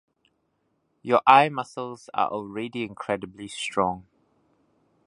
Your eye muscles are already incredibly strong.